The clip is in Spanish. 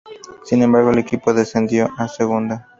Sin embargo, el equipo descendió a Segunda.